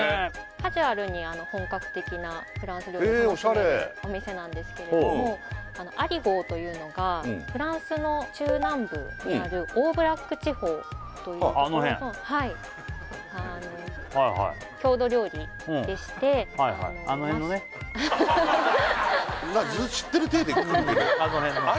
カジュアルに本格的なフランス料理を楽しめるお店なんですけれどもアリゴーというのがフランスの中南部にあるオーブラック地方というあの辺はいはい郷土料理でしてあの辺のねハハハハハ